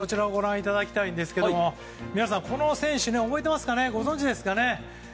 その前に、こちらをご覧いただきたいんですが皆さん、この選手覚えてますか、ご存じですか。